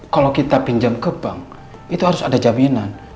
kalau kita pinjam ke bank itu harus ada jaminan